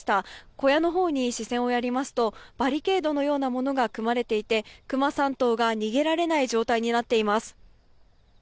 小屋のほうに視線をやりますとバリケードのようなものが組まれていてクマ３頭が逃げられない状態となっています。